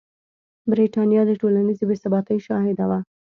برېټانیا د ټولنیزې بې ثباتۍ شاهده وه.